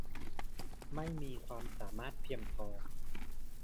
ไม่มีความสามารถเพียงพอ